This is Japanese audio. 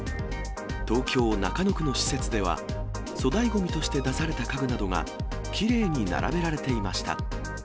東京・中野区の施設では、粗大ごみとして出された家具などが、きれいに並べられていました。